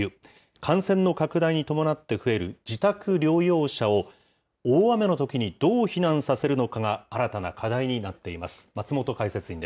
感染の拡大に伴って増える自宅療養者を、大雨のときにどう避難させるのかが新たな課題になっています。